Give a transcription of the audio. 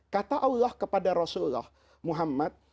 kata allah kepada rasulullah muhammad